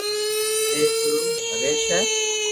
ايڪ رو نريݾ ھي